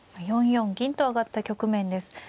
今４四銀と上がった局面です。